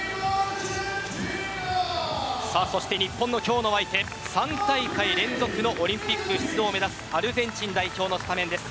日本の今日の相手３大会連続のオリンピック出場を目指す、アルゼンチン代表のスタメンです。